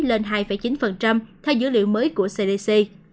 lên hai chín theo dữ liệu mới của cdc